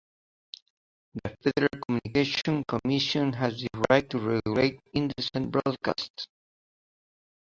The Federal Communications Commission has the right to regulate indecent broadcasts.